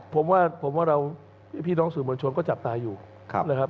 ผมว่าพี่น้องสื่อมวลชนก็จับตาอยู่นะครับ